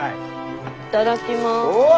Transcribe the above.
いただきます。